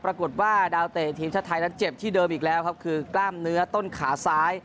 ปรากฏว่าดาวเตะทีมชาติไทยนั้นเจ็บที่เดิมอีกแล้วครับคือกล้ามเนื้อต้นขาซ้าย